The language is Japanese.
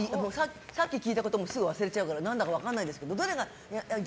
さっき聞いたこともすぐ忘れちゃうから何だか分かんないんですけど。